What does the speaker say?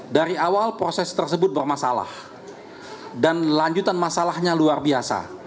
dari awal proses tersebut bermasalah dan lanjutan masalahnya luar biasa